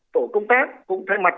tổ công tác cũng thay mặt